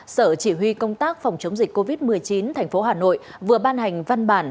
sở chỉ huy công tác phòng chống dịch covid một mươi chín tp hcm vừa ban hành văn bản